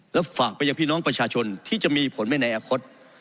และฝากไปยังพี่น้องประชาชนที่จะมีผลไปในอนาคต